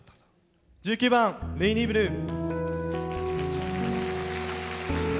１９番「レイニーブルー」。